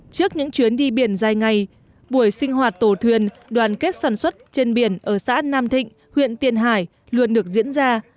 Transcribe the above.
trước những chuyến đi biển dài ngày buổi sinh hoạt tổ thuyền đoàn kết sản xuất trên biển ở xã nam thịnh huyện tiền hải luôn được diễn ra